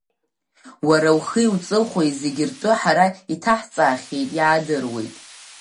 Уара ухи-уҵыхәеи зегьы ртәы ҳара иҭаҳҵаахьеит, иаадыруеит.